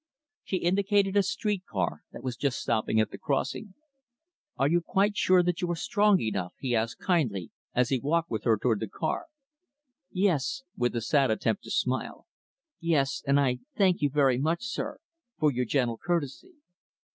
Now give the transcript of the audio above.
She indicated a street car that was just stopping at the crossing. "Are you quite sure that you are strong enough?" he asked kindly, as he walked with her toward the car. "Yes," with a sad attempt to smile, "yes, and I thank you very much, sir, for your gentle courtesy."